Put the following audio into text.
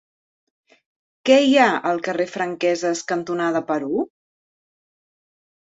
Què hi ha al carrer Franqueses cantonada Perú?